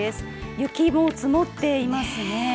雪も積もっていますね。